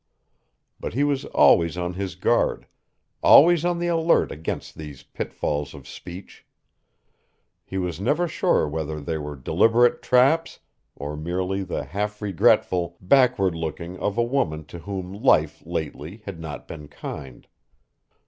But he was always on his guard, always on the alert against these pitfalls of speech. He was never sure whether they were deliberate traps, or merely the half regretful, backward looking of a woman to whom life lately had not been kind.